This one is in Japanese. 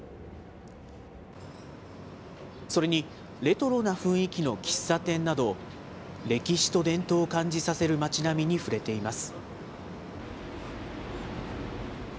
それにレトロな雰囲気の喫茶店など、歴史と伝統を感じさせる街並みに触れています。